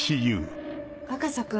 若狭君。